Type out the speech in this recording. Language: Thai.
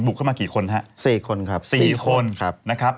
เข้ามากี่คนฮะ๔คนครับ๔คนครับนะครับ